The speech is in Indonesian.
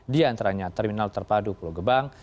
di antaranya terminal terpadu pulau gebang